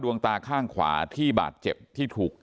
ดวงตาข้างขวาที่บาดเจ็บที่ถูก